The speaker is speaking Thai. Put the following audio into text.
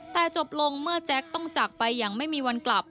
แต่จบลงเมื่อแจ๊คต้องจากไปอย่างไม่มีวันกลับ